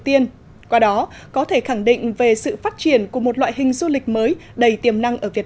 tiên qua đó có thể khẳng định về sự phát triển của một loại hình du lịch mới đầy tiềm năng ở việt